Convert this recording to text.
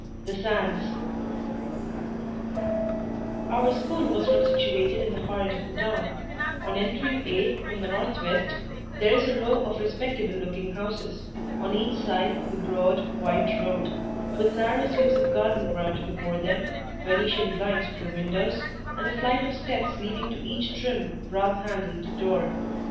THE SANDS Our school was not situated in the heart of the town: on entering A—— from the north west there is a row of respectable looking houses, on each side of the broad, white road, with narrow slips of garden ground before them, Venetian blinds to the windows, and a flight of steps leading to each trim, brass handled door.